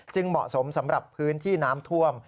เหมาะสมสำหรับพื้นที่น้ำท่วม